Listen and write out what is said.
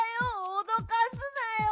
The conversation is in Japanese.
おどかすなよ。